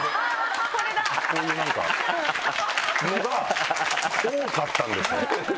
こういうなんかのが多かったんですね。